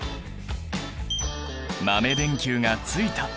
豆電球がついた。